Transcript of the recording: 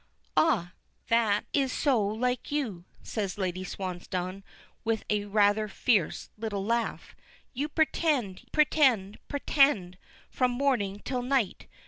"Ah! That is so like you," says Lady Swansdown with a rather fierce little laugh. "You pretend, pretend, pretend, from morning till night.